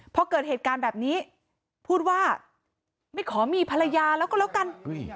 พอเกิดเหตุการณ์แบบนี้พูดว่าไม่ขอมีภรรยาแล้วก็แล้วกัน